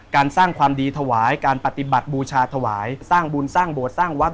สร้างความดีถวายการปฏิบัติบูชาถวายสร้างบุญสร้างโบสถสร้างวัด